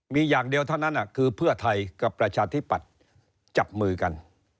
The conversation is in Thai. มีอย่างเดียวเท่านั้นคือเพื่อไทยกับประชาธิปัตย์จับมือกัน